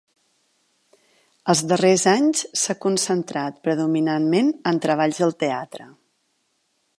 Els darrers anys s'ha concentrat predominantment en treballs al teatre.